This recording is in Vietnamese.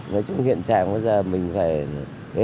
nói chung hiện trạng bây giờ